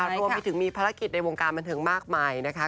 รวมไปถึงมีภารกิจในวงการบันเทิงมากมายนะคะ